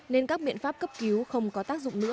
nên các biện pháp cấp cứu không có tác dụng nữa